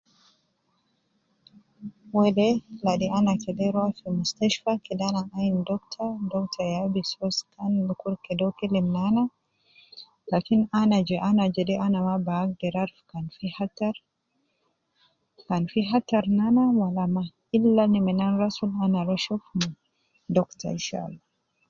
Wede ladi ana kede rua fi mustashtfa kede ana rua ayin doctor doctor ya bi soo scanning dukur kede uwo kelem nana lakin ana je ana jede ana ma bi agder aruf kan fi hattar, kan fi hattar ,ila naman an rasul ana rua shift doctor inshallah